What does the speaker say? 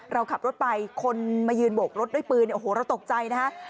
เราขับรถไปคนมายืนโบกรถด้วยปืนโอ้โหเราตกใจนะฮะ